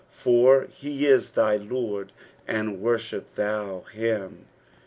" Fvr he it thy Lord; and worahip tKou him.'